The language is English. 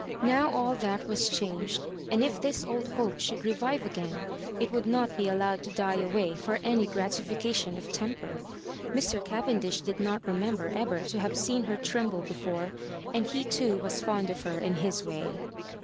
Now all that was changed; and if this old hope should re vive again, it would not be allowed to die away for any gratification of temper. Mr. Cavendish did not remember ever to have seen her tremble before, and he too was fond of her in his way.